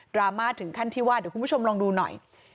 ราม่าถึงขั้นที่ว่าเดี๋ยวคุณผู้ชมลองดูหน่อย